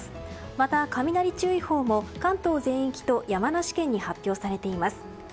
また、雷注意報も関東全域と山梨県に発表されています。